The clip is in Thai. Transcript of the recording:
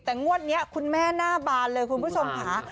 แต่งวดนี้คุณแม่หน้าบานเลยคุณผู้ชมค่ะ